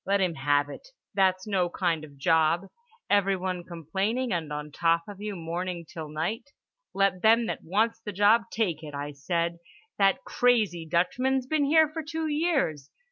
Let him have it. That's no kind of a job, everyone complaining and on top of you morning till night. 'Let them that wants the job take it' I said. That crazy Dutchman's been here for two years.